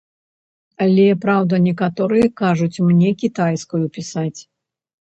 Але, праўда, некаторыя кажуць мне кітайскую пісаць.